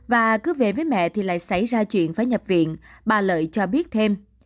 và cứ về với mẹ thì lại xảy ra chuyện phải nhập viện bà lợi cho biết thêm